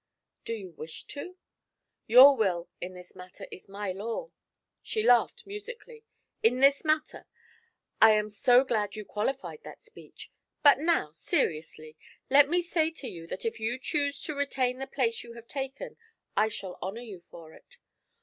'Do you wish to?' 'Your will in this matter is my law.' She laughed musically. '"In this matter?" I am so glad you qualified that speech. But now, seriously, let me say to you that if you choose to retain the place you have taken I shall honour you for it.